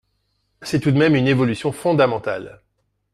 C’est tout de même une évolution fondamentale.